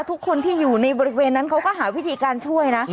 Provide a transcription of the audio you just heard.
ทุกคนที่อยู่ในบริเวณนั้นเขาก็หาวิธีการช่วยนะ